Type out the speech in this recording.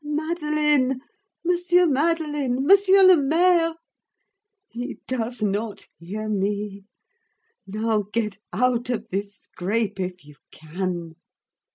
Madeleine! Monsieur Madeleine! Monsieur le Maire! He does not hear me. Now get out of this scrape if you can!"